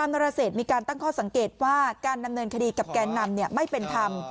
นรเศษมีการตั้งข้อสังเกตว่าการดำเนินคดีกับแกนนำไม่เป็นธรรม